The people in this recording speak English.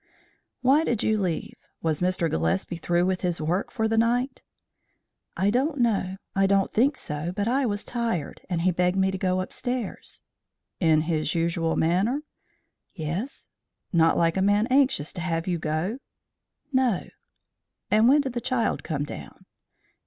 "Why did you leave? Was Mr. Gillespie through with his work for the night?" "I don't know; I don't think so, but I was tired, and he begged me to go upstairs." "In his usual manner?" "Yes." "Not like a man anxious to have you go?" "No." "And when did the child come down?"